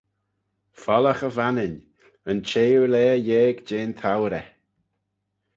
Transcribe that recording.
Follaghey Vannin, yn çheyoo-laa-yeig jeh'n tourey.